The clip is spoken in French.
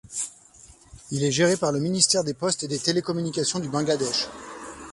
Il est géré par le ministère des postes et des télécommunications du Bangladesh.